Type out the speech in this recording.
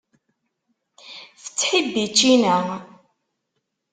Tettḥibbi ččina.